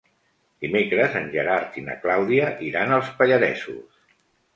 Dimecres en Gerard i na Clàudia iran als Pallaresos.